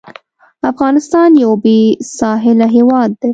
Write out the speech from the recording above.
افغانستان یو بېساحله هېواد دی.